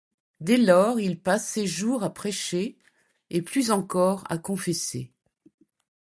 Dès lors, il passe ses jours à prêcher et, plus encore, à confesser.